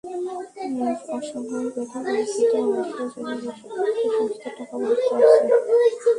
অসংক্রামক ব্যাধি কর্মসূচিতে বাংলাদেশের জন্য বিশ্ব স্বাস্থ্য সংস্থার টাকা বরাদ্দ আছে।